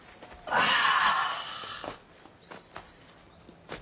ああ。